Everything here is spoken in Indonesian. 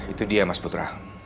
itu dia mas putra